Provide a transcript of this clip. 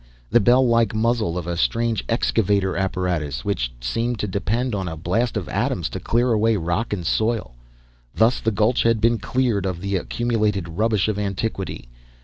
The bell like muzzle of a strange excavator apparatus, which seemed to depend on a blast of atoms to clear away rock and soil. Thus the gulch had been cleared of the accumulated rubbish of antiquity.